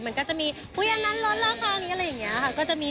มันก็จะมีอุ้ยอันนั้นล้อเลอร์คอก็จะมี